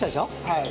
はい。